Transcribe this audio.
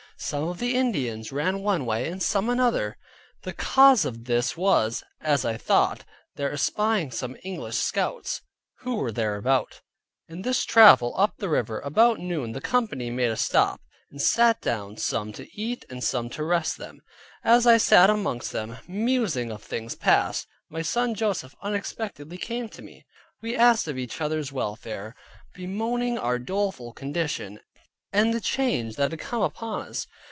Some of the Indians ran one way, and some another. The cause of this rout was, as I thought, their espying some English scouts, who were thereabout. In this travel up the river about noon the company made a stop, and sat down; some to eat, and others to rest them. As I sat amongst them, musing of things past, my son Joseph unexpectedly came to me. We asked of each other's welfare, bemoaning our doleful condition, and the change that had come upon us.